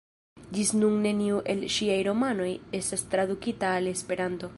Ĝis nun neniu el ŝiaj romanoj estas tradukita al Esperanto.